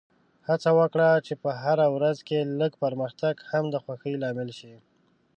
هڅه وکړه چې په هره ورځ کې لږ پرمختګ هم د خوښۍ لامل شي.